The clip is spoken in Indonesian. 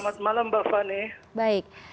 selamat malam mbak fani